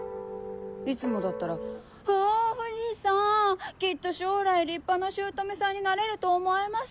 いつもだったら「う！藤さんきっと将来立派な姑さんになれると思いますぅ！